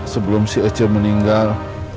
sebelum si ece meninggal